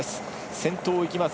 先頭を行きます